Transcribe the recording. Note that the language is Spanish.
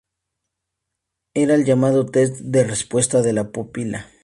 Era el llamado test de respuesta de la pupila.